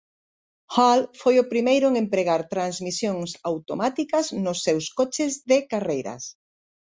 Hall foi o primeiro en empregar transmisións automáticas nos seus coches de carreiras.